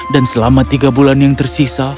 dan selama tiga bulan yang tersisa